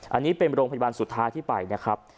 อันนี้เป็นโรงพยาบาลสุดท้ายที่ไปนะครับ